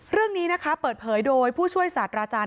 เรื่องนี้นะคะเปิดเผยโดยผู้ช่วยศาสตราจารย์